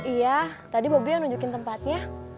iya tadi bobi yang nunjukin tempatnya